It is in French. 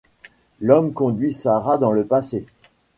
L'homme conduit Sarah dans le passé.